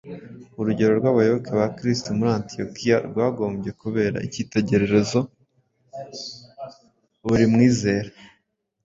Urugero rw’abayoboke ba Kristo muri Antiyokiya rwagombye kubera icyitegerezo buri mwizera